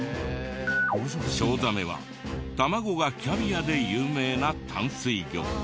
チョウザメは卵がキャビアで有名な淡水魚。